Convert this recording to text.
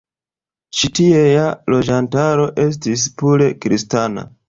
Ĉi tiea loĝantaro estis pure kristana.